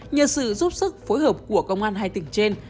nhờ sự giúp sức phối hợp của công an hai tỉnh trên